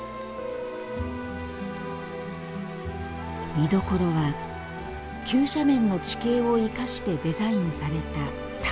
見どころは急斜面の地形を生かしてデザインされた滝。